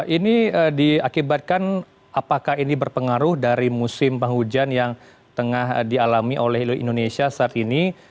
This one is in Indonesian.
ini diakibatkan apakah ini berpengaruh dari musim penghujan yang tengah dialami oleh indonesia saat ini